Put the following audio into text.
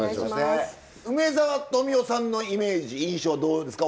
梅沢富美男さんのイメージ印象どうですか？